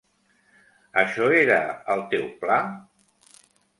Això era el teu pla?